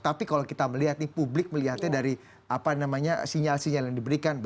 tapi kalau kita melihat nih publik melihatnya dari sinyal sinyal yang diberikan